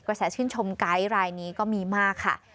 แสชื่นชมไกด์รายนี้ก็มีมากค่ะ